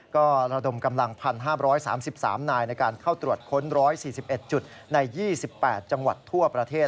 ก็ระดมกำลัง๑๕๓๓นายในการเข้าตรวจค้น๑๔๑จุดใน๒๘จังหวัดทั่วประเทศ